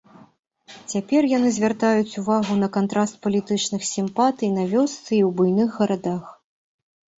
Цяпер яны звяртаюць увагу на кантраст палітычных сімпатый на вёсцы і ў буйных гарадах.